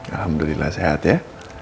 alhamdulillah sehat ya